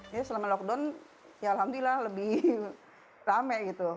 jadi selama lockdown ya alhamdulillah lebih rame gitu